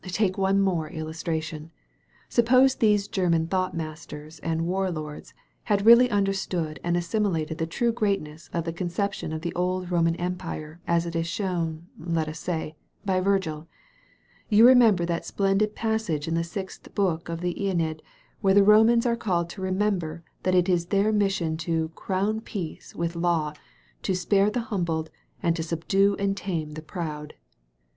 '*Take one more illustration. Suppose these German thought masters and war lords had really understood and assimilated the true greatness of the conception of the old Roman Empire as it is shown, let us say, by Virgil. You remember that splendid passage in the Sixth Book of the iEneid where the Romans are called to remember that it is their mission 'to crown Peace with Law, to spare the humbled, and to subdue and tame the proud.'